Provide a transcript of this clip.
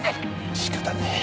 仕方ねえ